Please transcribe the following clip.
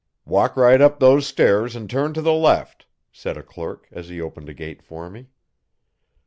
'Walk right up those stairs and turn to the left,' said a clerk, as he opened a gate for me.